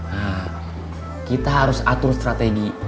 nah kita harus atur strategi